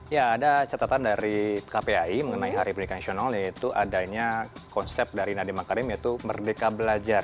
ya ada catatan dari kpai mengenai hari pendidikan nasional yaitu adanya konsep dari nadiem makarim yaitu merdeka belajar